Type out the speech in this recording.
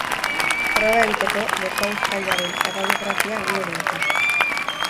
Proba egiteko lepauztaiaren erradiografia egingo diote.